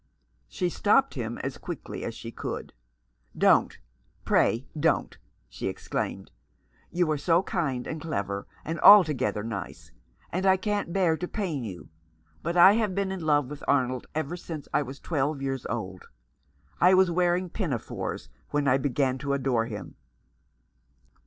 She stopped him as quickly as she could. " Don't ; pray don't !" she exclaimed. " You are so kind, and clever, and altogether nice — and I can't bear to pain you — but I have been in love with Arnold ever since I was twelve years old. I was wearing pinafores when I began to adore him."